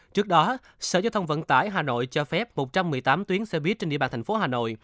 trước đó sở giao thông vận tải hà nội cho phép một trăm một mươi tám tuyến xe buýt trên địa bàn thành phố hà nội